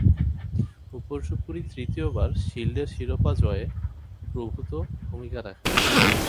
উপর্যুপরি তৃতীয়বার শিল্ডের শিরোপা জয়ে প্রভূতঃ ভূমিকা রাখেন।